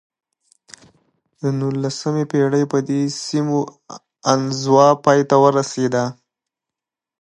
د نولسمې پېړۍ په دې سیمو انزوا پای ته ورسېده.